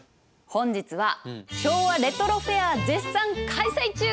本日は昭和レトロフェア絶賛開催中！